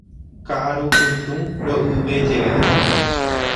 Ka'arupytũ ro'yvejeýta.